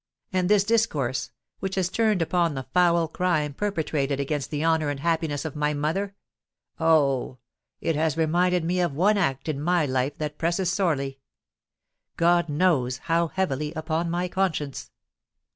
And this discourse, which has turned upon the foul crime perpetrated against the honour and happiness of my mother—Oh! it has reminded me of one act in my life that presses sorely—God knows how heavily upon my conscience!"